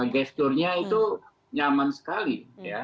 gesturnya itu nyaman sekali